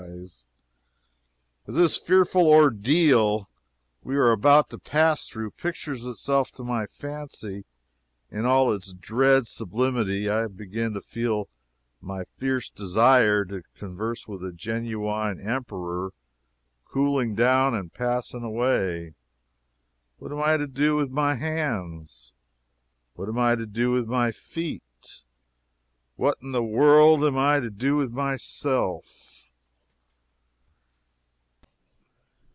As this fearful ordeal we are about to pass through pictures itself to my fancy in all its dread sublimity, I begin to feel my fierce desire to converse with a genuine Emperor cooling down and passing away. What am I to do with my hands? What am I to do with my feet? What in the world am I to do with myself?